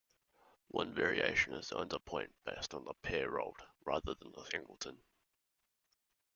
One variation assigns a point based on the pair rolled, rather than the singleton.